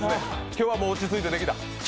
今日はもう落ち着いてできた？